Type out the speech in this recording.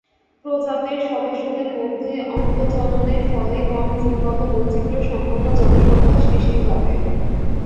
প্রজাতের সদস্যদের মধ্যে অন্তঃজননের ফলে কম জিনগত বৈচিত্র্য সম্পন্ন জনসংখ্যার সৃষ্টি হবে।